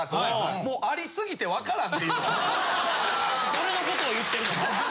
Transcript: どれのことを言ってるのか。